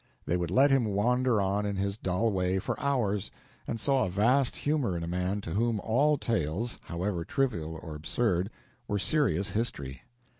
They would let him wander on in his dull way for hours, and saw a vast humor in a man to whom all tales, however trivial or absurd, were serious history.